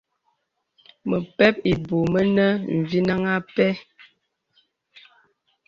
Məpɛ̂p ìbūū mìnə̀ mvinəŋ ā pɛ̂.